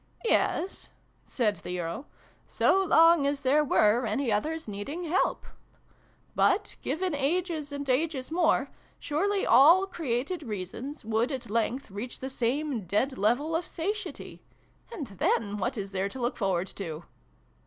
"Yes," said the Earl, " so long as there were any others needing help. But, given ages and ages more, surely all created reasons would at length reach the same dead level of satiety. And then what is there to look forward to